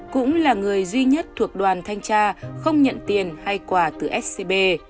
cũng là người duy nhất thuộc đoàn thanh tra không nhận tiền hay quà từ scb